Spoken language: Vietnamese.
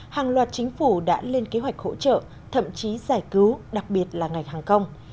hàng loạt chính phủ đã lên kế hoạch hỗ trợ thậm chí giải cứu đặc biệt là ngành hàng không